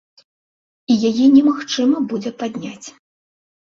І яе немагчыма будзе падняць.